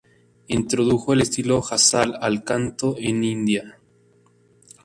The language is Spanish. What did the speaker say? Introdujo el estilo Ghazal al canto en India.